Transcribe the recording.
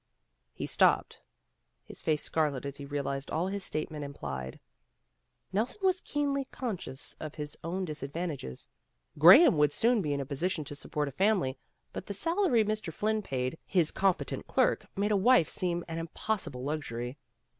He stopped, his face scarlet as he realized all his statement implied. Nelson was keenly con scious of his own disadvantages. Graham THE MOST WONDERFUL THING 141 would soon be in a position to support a family, but the salary Mr. Flynn paid his competent clerk made a wife seem an impossible luxury.